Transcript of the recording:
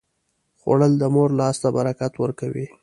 خوړل د مور لاس ته برکت ورکوي